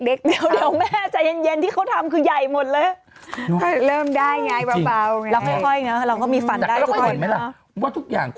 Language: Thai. เดี๋ยวแม่ใจเย็นที่เขาทำคือใหญ่หมดเลย